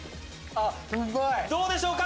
どうでしょうか？